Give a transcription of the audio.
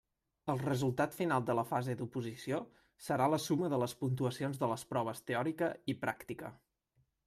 El resultat final de la fase d'oposició serà la suma de les puntuacions de les proves teòrica i pràctica.